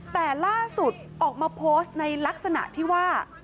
แต่ล่าสุดออกมาโพสต์ในลักษณะที่ว่า